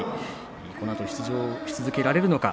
このあと出場し続けられるのか